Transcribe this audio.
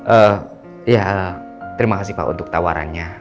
oh ya terima kasih pak untuk tawarannya